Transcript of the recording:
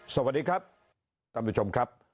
สวัสดีครับท่านผู้ชมครับ